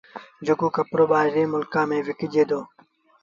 جيڪو ڪپڙو ٻآهريٚݩ ملڪآݩ ميݩ وڪجي دو